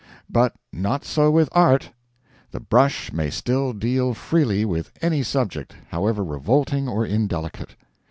But not so with Art. The brush may still deal freely with any subject, however revolting or indelicate.